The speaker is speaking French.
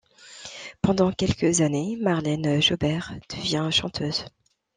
Pendant quelques années, Marlène Jobert devient chanteuse.